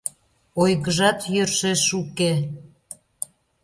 Ойгыжат йӧршеш уке.